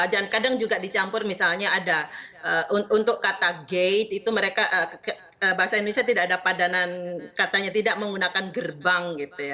dan kadang juga dicampur misalnya ada untuk kata gate itu mereka bahasa indonesia tidak ada padanan katanya tidak menggunakan gerbang gitu ya